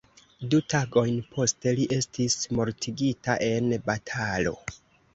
Du tagojn poste li estis mortigita en batalo.